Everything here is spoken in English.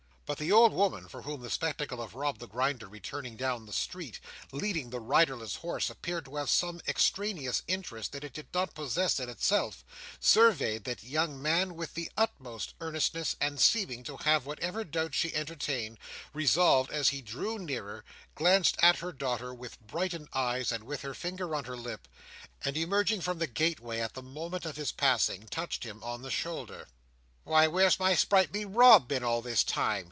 But the old woman, for whom the spectacle of Rob the Grinder returning down the street, leading the riderless horse, appeared to have some extraneous interest that it did not possess in itself, surveyed that young man with the utmost earnestness; and seeming to have whatever doubts she entertained, resolved as he drew nearer, glanced at her daughter with brightened eyes and with her finger on her lip, and emerging from the gateway at the moment of his passing, touched him on the shoulder. "Why, where's my sprightly Rob been, all this time!"